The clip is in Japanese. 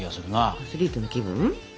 アスリートの気分？